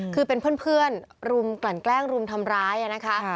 คือเป็นเพื่อนรุมกลั่นแกล้งรุมทำร้ายนะคะ